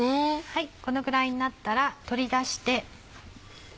このぐらいになったら取り出して。